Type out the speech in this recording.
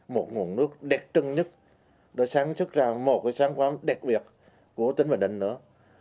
một nguồn nước đẹp trưng nhất nó sản xuất ra một cái sản phẩm đẹp biệt của tỉnh bình định nữa